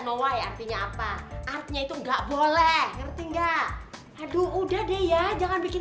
noway artinya apa artinya itu enggak boleh ngerti nggak aduh udah deh ya jangan bikin